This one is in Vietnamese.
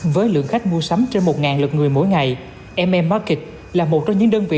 với lượng khách mua sắm trên một lượt người mỗi ngày mmmarket là một trong những đơn vị